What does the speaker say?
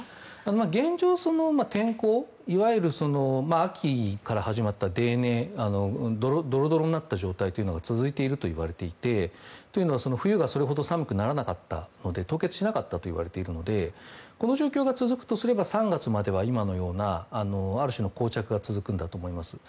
現状、天候いわゆる秋から始まった泥濘ドロドロになった状態が続いているといわれていて冬がそれほど寒くなかったので凍結しなかったといわれているのでこの状況が続くとすれば３月までは今のようなある種の膠着が続くんだと思います。